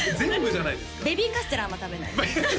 ベビーカステラあんま食べない